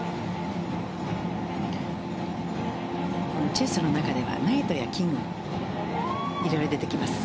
チェスの中ではナイトやキングいろいろ出てきます。